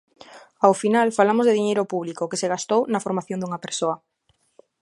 Ao final falamos de diñeiro público que se gastou na formación dunha persoa.